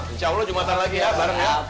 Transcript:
insya allah jumatan lagi ya bareng ya